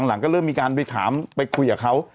หลังก็เริ่มมีการไปถามไปคุยกับเขา